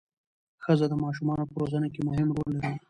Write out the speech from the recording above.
ښځه د ماشومانو په روزنه کې مهم رول لري